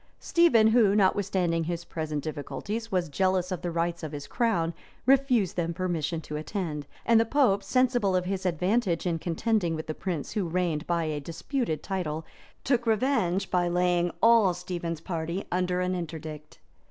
Stephen, who, notwithstanding his present difficulties, was jealous of the rights of his crown, refused them permission to attend;[*] and the pope, sensible of his advantage in contending with a prince who reigned by a disputed title, took revenge by laying all Stephen's party under an interdict.